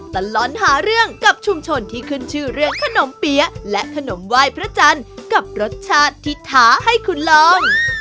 ตลอดหาเรื่องกับชุมชนที่ขึ้นชื่อเรื่องขนมเปี๊ยะและขนมไหว้พระจันทร์กับรสชาติที่ท้าให้คุณลอง